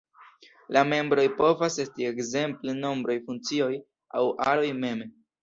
La membroj povas esti ekzemple nombroj, funkcioj, aŭ aroj mem.